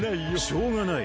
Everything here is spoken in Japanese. しょうがない。